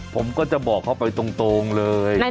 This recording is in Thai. ผมก็จะบอกเขาไปตรงเลย